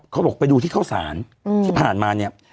เขาบอกไปดูที่เข้าสารที่ผ่านมาเนี่ย